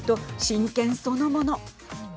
真剣そのもの。